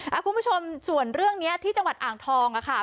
คุณผู้ชมส่วนเรื่องนี้ที่จังหวัดอ่างทองค่ะ